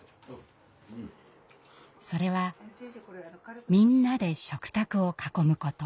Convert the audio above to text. それはみんなで食卓を囲むこと。